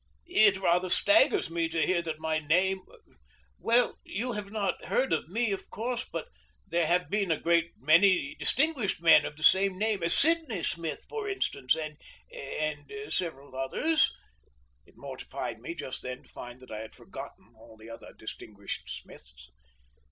"It rather staggers me to hear that my name well, you have not heard of me, of course, but there have been a great many distinguished men of the same name: Sydney Smith, for instance, and and several others." It mortified me just then to find that I had forgotten all the other distinguished Smiths.